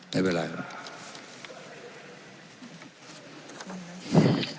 ใช้เวลาครับ